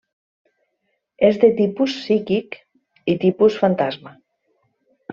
És de tipus psíquic i tipus fantasma.